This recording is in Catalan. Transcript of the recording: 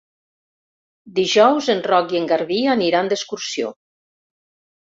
Dijous en Roc i en Garbí aniran d'excursió.